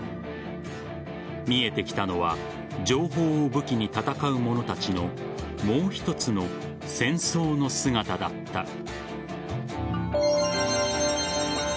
見えてきたのは情報を武器に戦う者たちのもう一つの戦争の姿だった。